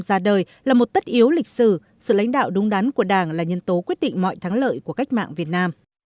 ra đời là một tất yếu lịch sử sự lãnh đạo đúng đắn của đảng là nhân tố quyết định mọi thắng lợi của cách mạng việt nam